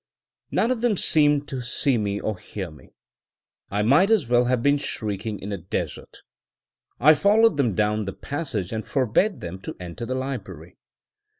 None of them seemed to see me or hear me: I might as well have been shrieking in a desert. I followed them down the passage, and forbade them to enter the library.